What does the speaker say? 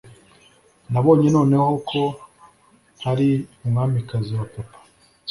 nabonye noneho ko ntari umwamikazi wa papa